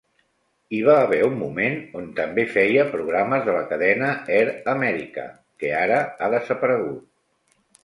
Hi va haver un moment on també feia programes de la cadena Air America, que ara ha desaparegut.